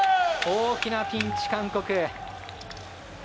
大きなピンチ、韓国。